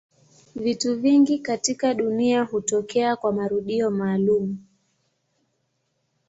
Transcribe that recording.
Vitu vingi katika dunia hutokea kwa marudio maalumu.